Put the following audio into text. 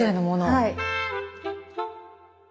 はい。